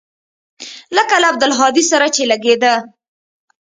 لکه له عبدالهادي سره چې لګېده.